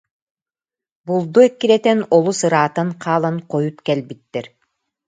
Булду эккирэтэн, олус ыраатан хаалан хойут кэлбиттэр